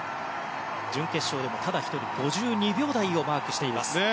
準決勝でも、ただ１人５２秒台をマークしています。